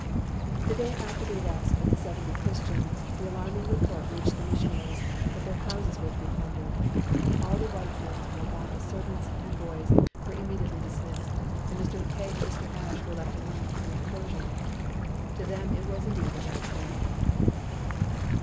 The day after the arrest of the seventy Christians, the alarming report reached the missionaries that their houses were to be plundered. All the white men's Waganda servants and boys were immediately dis missed, and Mr. Mackay and Mr. Ashe were left alone in their enclosure. To them it was indeed a dark day.